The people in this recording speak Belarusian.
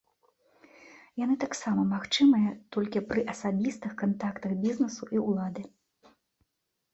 Яны таксама магчымая толькі пры асабістых кантактах бізнэсу і ўлады.